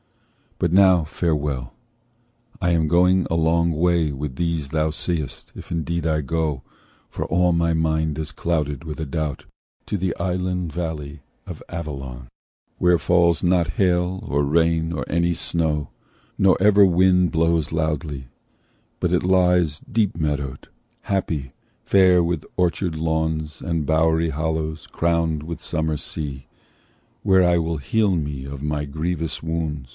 But now farewell. I am going a long way With these thou seest—if indeed I go (For all my mind is clouded with a doubt)— To the island valley of Avilion; Where falls not hail, or rain, or any snow, Nor ever wind blows loudly; but it lies Deep meadowed, happy, fair with orchard lawns And bowery hollows crowned with summer sea, Where I will heal me of my grievous wound."